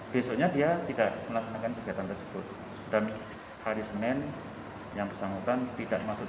besoknya dia tidak melaksanakan kegiatan tersebut dan hari senin yang bersangkutan tidak masuk